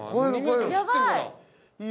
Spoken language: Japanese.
やばい！